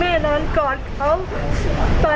แน่นอนกอดเขา